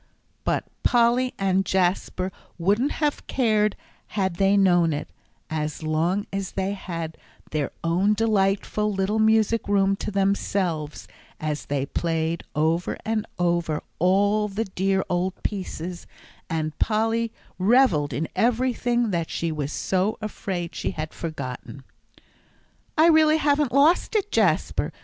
But Polly and Jasper wouldn't have cared had they known it, as long as they had their own delightful little music room to themselves as they played over and over all the dear old pieces, and Polly revelled in everything that she was so afraid she had forgotten. "I really haven't lost it, Jasper!"